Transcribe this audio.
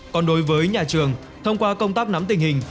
còn đối với nhà trường thông qua công tác nắm tình hình